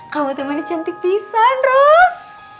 kamu temennya cantik pisan ros